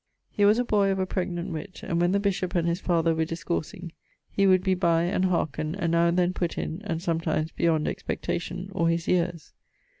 He was a boy of a pregnant witt, and when the bishop and his father were discoursing, he would be by and hearken, and now and then putt in, and sometimes beyond expectation, or his yeares.